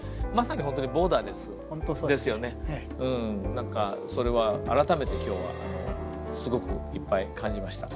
なんかそれは改めて今日はすごくいっぱい感じました。